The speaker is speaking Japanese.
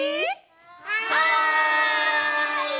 はい！